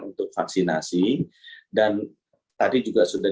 untuk vaksinasi dan tadi juga sudah